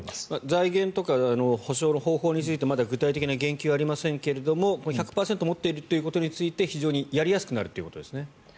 財源とか補償の方法についてまだ具体的な言及はありませんが１００％持っていることについて非常にやりやすくなるということですね。